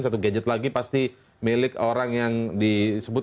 satu gadget lagi pasti milik orang yang disebut